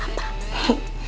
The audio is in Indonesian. kamu ini kan anak mama